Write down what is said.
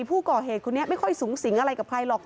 ผู้ก่อเหตุคนนี้ไม่ค่อยสูงสิงอะไรกับใครหรอก